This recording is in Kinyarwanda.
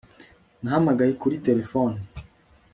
Nahamagaye kuri terefone